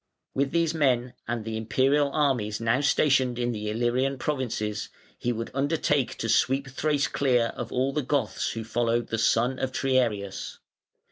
With these men and the Imperial armies now stationed in the Illyrian provinces, he would undertake to sweep Thrace clear of all the Goths who followed the son of Triarius.